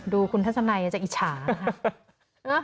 ดูคุณทะสันัยจะอิชานะ